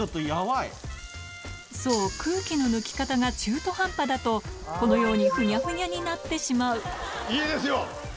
そう空気の抜き方が中途半端だとこのようにふにゃふにゃになってしまういいですよ！